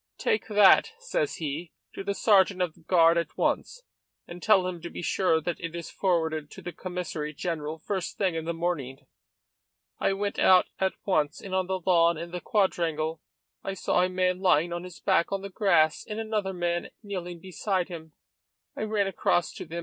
'Take that,' says he, 'to the sergeant of the guard at once, and tell him to be sure that it is forwarded to the Commissary General first thing in the morning.' I went out at once, and on the lawn in the quadrangle I saw a man lying on his back on the grass and another man kneeling beside him. I ran across to them.